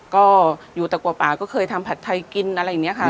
ก็อยู่ตะกัวป่าก็เคยทำผัดไทยกินอะไรอย่างนี้ค่ะ